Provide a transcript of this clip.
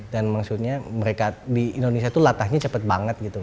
dan maksudnya mereka di indonesia itu latahnya cepet banget gitu